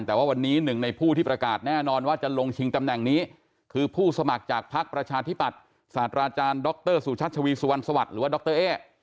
แต่ว่าวันนี้หนึ่งในผู้ที่ประกาศแน่นอนว่าจะลงชิงตำแหน่งนี้คือผู้สมัครจากพักประชาธิปัตย์ศาสตราอาจารย์ดรสุชัชวีสุวรรณสวัสดิ์หรือว่าดรเอ๊